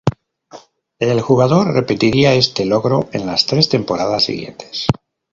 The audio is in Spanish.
El jugador repetiría este logro en las tres temporadas siguientes.